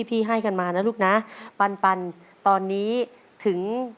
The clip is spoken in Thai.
เดี๋ยวดูลุง๓คนเขาเต้น